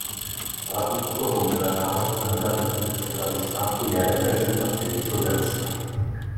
Hlavní úlohou Viléma Alexandra ve funkci hlavy státu je reprezentace Nizozemska.